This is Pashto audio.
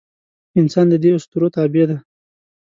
انسان د دې اسطورو تابع دی.